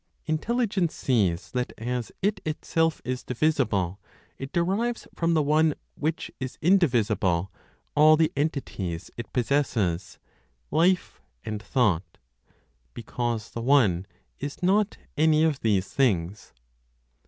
Intelligence sees that, as it itself is divisible, it derives from the One, which is indivisible, all the entities it possesses, life and thought; because the One is not any of these things.